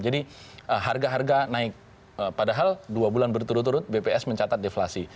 jadi harga harga naik padahal dua bulan berturut turut bps mencatat deflasi